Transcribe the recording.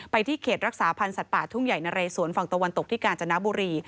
ที่เขตรักษาพันธ์สัตว์ป่าทุ่งใหญ่นะเรสวนฝั่งตะวันตกที่กาญจนบุรี